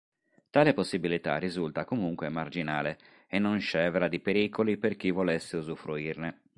Tale possibilità risulta comunque marginale e non scevra di pericoli per chi volesse usufruirne.